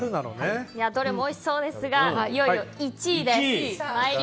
どれもおいしそうですがいよいよ１位です。